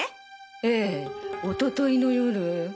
ええおとといの夜。